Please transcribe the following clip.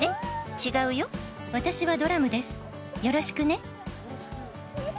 違うよ、私はドラムです、よろしくね」。